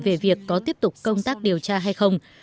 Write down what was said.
về việc có tiếp tục công tác điều tra hay không